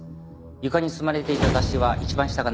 床に積まれていた雑誌は一番下が濡れていました。